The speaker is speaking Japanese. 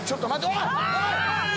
おい！